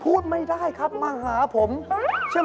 พอกินยาของอาจารย์แมว